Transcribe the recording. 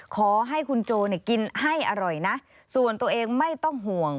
ขอให้คุณโจกินให้อร่อยนะส่วนตัวเองไม่ต้องห่วง